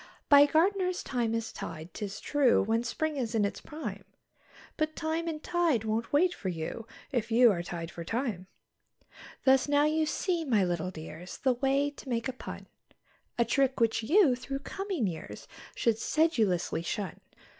By gardeners thyme is tied, 'tis true, when spring is in its prime; But time and tide won't wait for you if you are tied for time. Thus now you see, my little dears, the way to make a pun; A trick which you, through coming years, should sedulously shun.